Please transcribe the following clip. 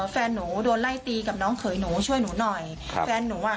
แฟนหนูโดนไล่ตีกับน้องเขยหนูช่วยหนูหน่อยครับแฟนหนูอ่ะ